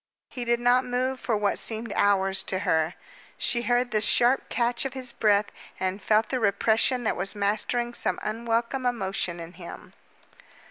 He did not move for what seemed hours to her. She heard the sharp catch of his breath and felt the repression that was mastering some unwelcome emotion in him.